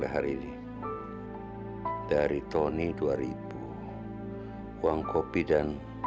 hari ini sarah ada rapat